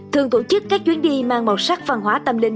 thường tổ chức các chuyến đi mang màu sắc văn hóa tâm linh